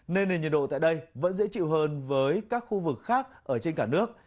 nên nền nhiệt độ tại đây vẫn dễ chịu hơn với các khu vực khác ở trên cả nước